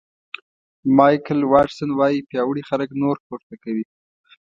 مایکل واټسن وایي پیاوړي خلک نور پورته کوي.